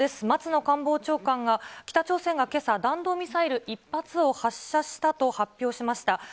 松野官房長官が、北朝鮮がけさ、弾道ミサイル１発を発射したと発表しました。